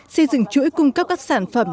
xây dựng chuỗi cung cấp các sản phẩm